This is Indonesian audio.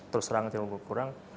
terus rangit cenderung berkurang